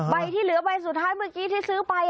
ที่เหลือใบสุดท้ายเมื่อกี้ที่ซื้อไป